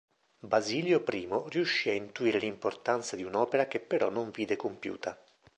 Basilio I riuscì a intuire l'importanza di un'opera che però non vide compiuta.